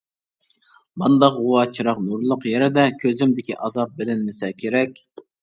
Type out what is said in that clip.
مانداق غۇۋا چىراغ نۇرىلىق يەردە كۆزۈمدىكى ئازاب بىلىنمىسە كېرەك.